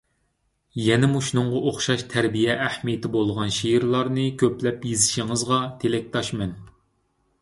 يەنە مۇشۇنىڭغا ئوخشاش تەربىيە ئەھمىيىتى بولغان شېئىرلارنى كۆپلەپ يېزىشىڭىزغا تىلەكداشمەن.